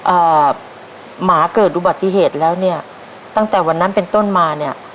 อ่าหมาเกิดอุบัติเหตุแล้วเนี่ยตั้งแต่วันนั้นเป็นต้นมาเนี้ย